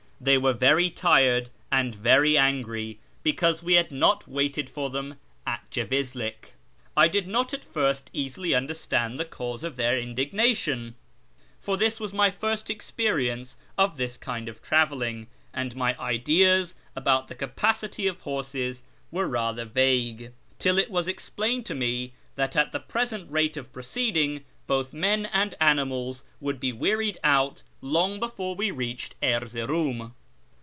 They were very tired, and very angry because we had not waited for them at Jevizlik. I did not at first easily understand the cause of their indignation (for this was my first experience of this kind of travelling, and my ideas about the capacity of horses were rather vague) till it was explained to me that at the present rate of proceeding both men and animals would be wearied out long before we reached Erzeroum.